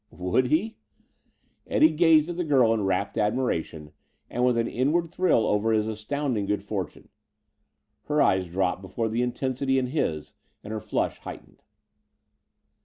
Would he? Eddie gazed at the girl in rapt admiration and with an inward thrill over his astounding good fortune. Her eyes dropped before the intensity in his and her flush heightened.